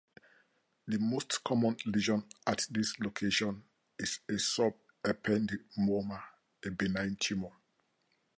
The most common lesion at this location is a subependymoma, a benign tumor.